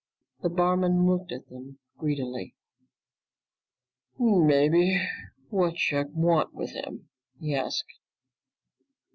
The barman looked at them greedily. "Maybe. What'cha want with him?" he asked.